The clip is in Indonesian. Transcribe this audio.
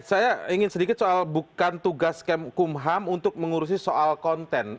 saya ingin sedikit soal bukan tugas kem kumham untuk mengurusi soal konten